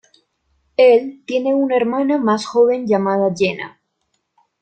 Él tiene una hermana más joven llamada Jenna.